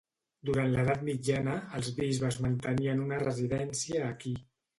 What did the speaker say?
Durant l'Edat Mitjana, els bisbes mantenien una residència aquí.